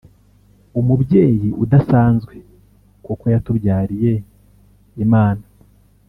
umubyeyi udasanzwe kuko yatubyariye Imana